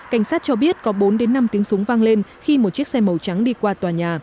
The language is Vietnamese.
cảnh sát cho biết có bốn đến năm tiếng súng vang lên khi một chiếc xe màu trắng đi qua tòa nhà